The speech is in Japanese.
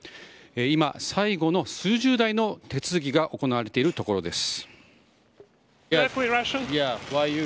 今、最後の数十台の手続きが行われているところです。